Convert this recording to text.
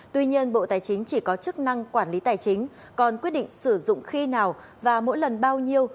tuy nhiên bộ tài chính chỉ có chức năng quản lý tài chính còn quyết định sử dụng khi nào và mỗi lần bao nhiêu